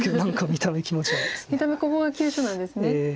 見た目ここが急所なんですね。